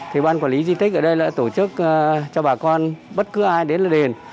thì ban quản lý di tích ở đây đã tổ chức cho bà con bất cứ ai đến là đền